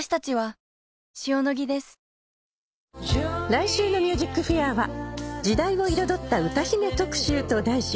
来週の『ＭＵＳＩＣＦＡＩＲ』は時代を彩った歌姫特集と題し